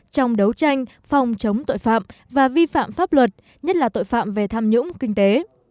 trong đấu tranh phòng chống tội phạm và vi phạm pháp luật nhất là tội phạm về tham nhũng kinh tế